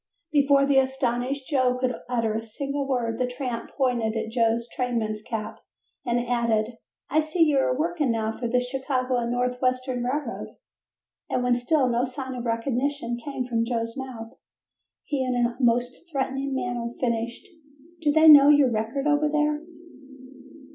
Before the astonished Joe could utter a single word the tramp pointed at Joe's trainman's cap and added: "I see you are working now for the Chicago & North Western Railroad," and when still no sign of recognition came from Joe's mouth he in a most threatening manner finished: "Do they know your record over there?"